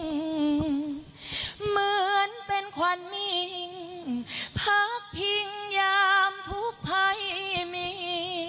เหมือนเป็นขวัญมิ่งพักพิงยามทุกภัยมี